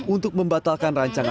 untuk membatalkan rancangan